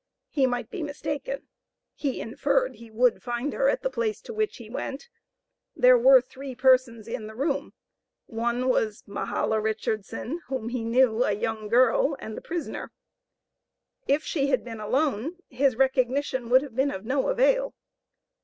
He might be mistaken. He inferred he would find her at the place to which he went. There were three persons in the room, one was Mahala Richardson, whom he knew, a young girl, and the prisoner. If she had been alone, his recognition would have been of no avail.